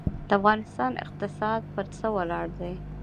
د افغانستان اقتصاد پر څه ولاړ دی؟